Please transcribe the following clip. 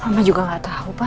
mama juga gak tahu pak